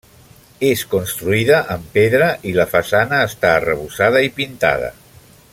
És construïda amb pedra i la façana està arrebossada i pintada.